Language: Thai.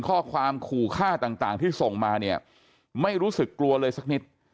ข้อความขู่ฆ่าต่างที่ส่งมาเนี่ยไม่รู้สึกกลัวเลยสักนิด